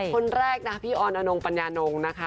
คนแรกนะพี่ออนอนงปัญญานงนะคะ